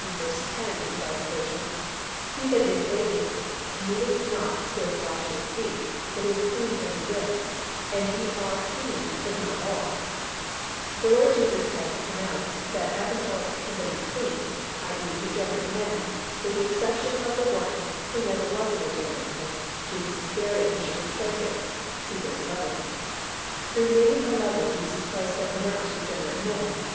10, R. V., "He that is bathed needeth not save to wash his feet, but is clean every whit: and ye are clean but not all." The Lord Jesus had pronounced that apostolic company clean—i. e., regenerate men—with the exception of the one who never was a regenerate man, Judas Iscariot who should betray Him (see verse 11). The remaining eleven Jesus Christ had pronounced regenerate men.